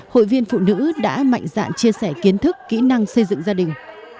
hội viên phụ nữ đã mạnh dạng chia sẻ kiến thức kỹ năng xây dựng gia đình